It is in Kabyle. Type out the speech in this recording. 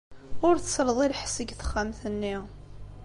Ur tselleḍ i lḥess deg texxamt-nni.